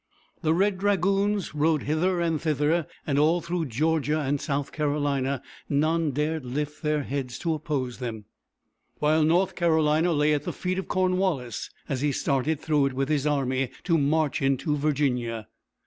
The red dragoons rode hither and thither, and all through Georgia and South Carolina none dared lift their heads to oppose them, while North Carolina lay at the feet of Cornwallis, as he started through it with his army to march into Virginia.